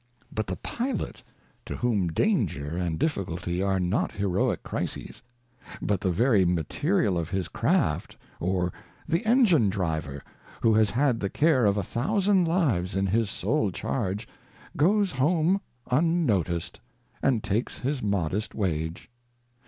But the pilot, to whom danger and difficulty are not heroic crises, but the very material of his craft, or the engine driver, who has had the care of a thousand lives in his sole charge, goes home unnoticed, and takes his modest wage.